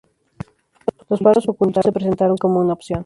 Los faros ocultos se presentaron como una opción.